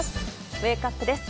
ウェークアップです。